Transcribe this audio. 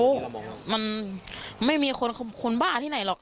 โอ้มันไม่มีคนบ้าที่ไหนหรอก